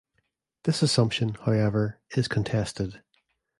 This assumption, however, is contested.